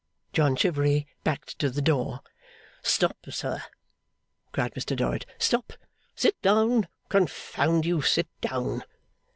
John Chivery backed to the door. 'Stop, sir!' cried Mr Dorrit. 'Stop! Sit down. Confound you sit down!